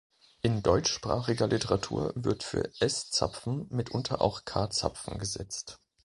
In deutschsprachiger Literatur wird für S-Zapfen mitunter auch K-Zapfen gesetzt.